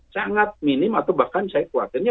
sangat minim atau bahkan saya khawatirnya